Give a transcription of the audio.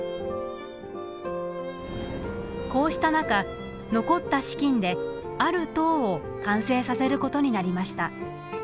こうした中残った資金である塔を完成させることになりました。